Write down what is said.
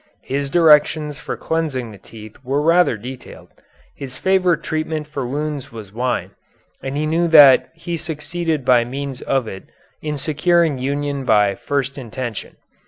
His directions for cleansing the teeth were rather detailed. His favorite treatment for wounds was wine, and he knew that he succeeded by means of it in securing union by first intention.